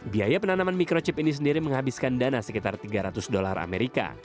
biaya penanaman microchip ini sendiri menghabiskan dana sekitar tiga ratus dolar amerika